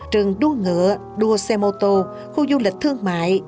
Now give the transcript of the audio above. rừng đua ngựa đua xe mô tô khu du lịch thương mại